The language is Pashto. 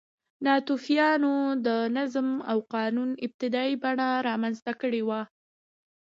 ناتوفیانو د نظم او قانون ابتدايي بڼه رامنځته کړې وه